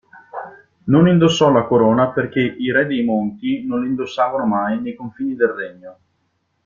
Non indossò la corona, perché i re dei Monti non la indossavano mai nei confini del Regno.